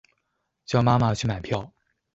叫妈妈去买票